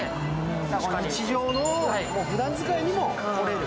この日常のふだん使いにも来れる。